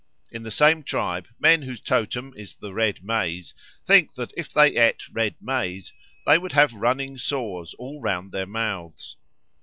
In the same tribe men whose totem is the red maize, think that if they ate red maize they would have running sores all round their mouths.